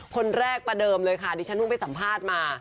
คนแรกประเดิมเลยค่ะดิฉันเพิ่งไปสัมภาษณ์มา